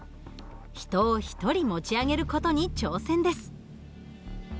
人を一人持ち上げる事に挑戦です。